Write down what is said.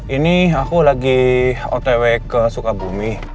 ini aku lagi otw ke sukabumi